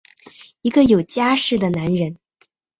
一个有家室的男人！